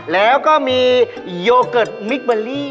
แล้วก็มีโยเกิร์ตมิคเบอรี่